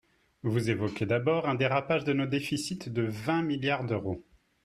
Vous évoquez, d’abord, un dérapage de nos déficits de vingt milliards d’euros.